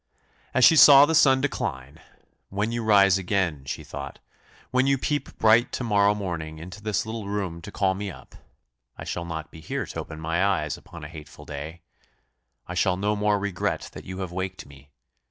As she saw the sun decline, "When you rise again," she thought, "when you peep bright to morrow morning into this little room to call me up, I shall not be here to open my eyes upon a hateful day I shall no more regret that you have waked me!